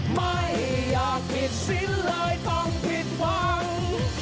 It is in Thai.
ไม่อยากผิดสิ้นเลยต้องผิดหวัง